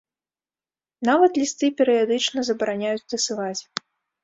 Нават лісты перыядычна забараняюць дасылаць.